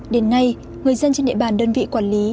đến nay người dân trên địa bàn đơn vị quản lý